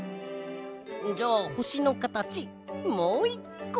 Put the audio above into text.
じゃあほしのかたちもういっこ。